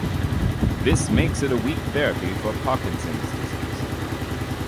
This makes it a weak therapy for Parkinson's disease.